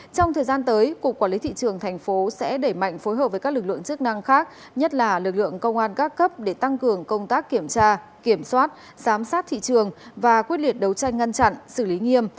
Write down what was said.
trong thời gian tới cục quản lý thị trường thành phố sẽ đẩy mạnh phối hợp với các lực lượng chức năng khác nhất là lực lượng công an các cấp để tăng cường công tác kiểm tra kiểm soát giám sát thị trường và quyết liệt đấu tranh ngăn chặn xử lý nghiêm